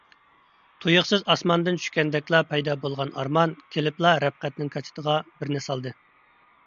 تۇيۇقسىز ئاسماندىن چۈشكەندەكلا پەيدا بولغان ئارمان كېلىپلا رەپقەتنىڭ كاچىتىغا بىرنى سالدى.